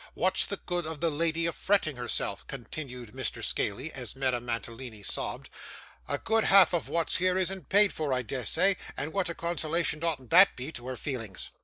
Wot's the good of the lady a fretting herself?' continued Mr Scaley, as Madame Mantalini sobbed. 'A good half of wot's here isn't paid for, I des say, and wot a consolation oughtn't that to be to her feelings!